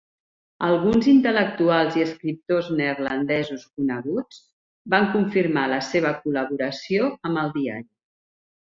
Alguns intel·lectuals i escriptors neerlandesos coneguts van confirmar la seva col·laboració amb el diari.